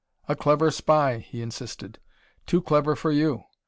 "A clever spy," he insisted. "Too clever for you.